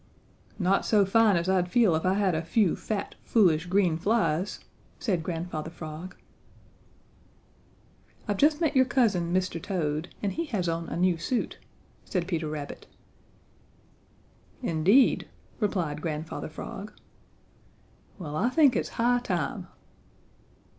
"Not so fine as I'd feel if I had a few fat, foolish, green flies," said Grandfather Frog. "I've just met your cousin, Mr. Toad, and he has on a new suit," said Peter Rabbit. "Indeed!" replied Grandfather Frog. "Well, I think it's high time."